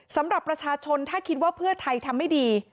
สำหรับประชาชนถ้าคิดว่าเพื่อไทยทำไม่ดี